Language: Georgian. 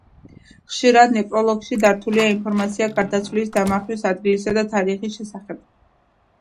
ხშირად ნეკროლოგში დართულია ინფორმაცია გარდაცვლილის დამარხვის ადგილისა და თარიღის შესახებ.